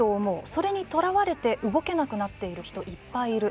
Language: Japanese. それに、とらわれて動けなくなっている人いっぱいいる。